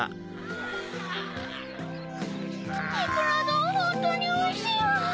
いくらどんホントにおいしいわ！